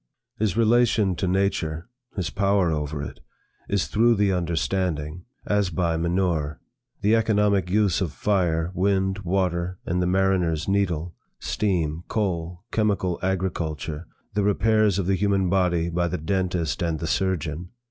His relation to nature, his power over it, is through the understanding; as by manure; the economic use of fire, wind, water, and the mariner's needle; steam, coal, chemical agriculture; the repairs of the human body by the dentist and the surgeon.